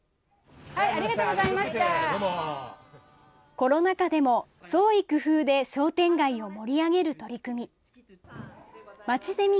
コロナ禍でも、創意工夫で商店街を盛り上げる取り組み。